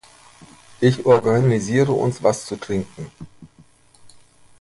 Ich organisiere uns was zu trinken.